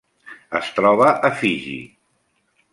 Es troba a Fiji.